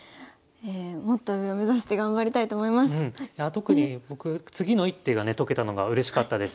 特に僕次の一手がね解けたのがうれしかったです。